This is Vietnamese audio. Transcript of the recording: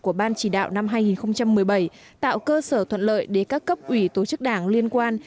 của ban chỉ đạo năm hai nghìn một mươi bảy tạo cơ sở thuận lợi để các cấp ủy tổ chức đảng liên quan